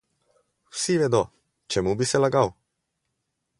Vsi vedo, čemu bi se lagal?